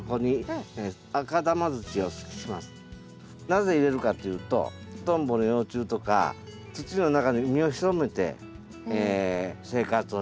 なぜ入れるかというとトンボの幼虫とか土の中で身を潜めて生活をします。